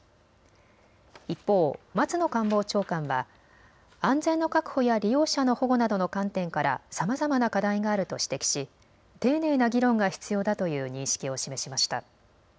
一方、松野官房長官は安全の確保や利用者の保護などの観点からさまざまな課題があると指摘し丁寧な議論が必要だという認識を示しました。